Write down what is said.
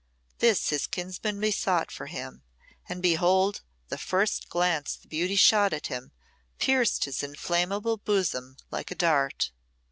This his kinsman besought for him, and, behold! the first glance the beauty shot at him pierced his inflammable bosom like a dart.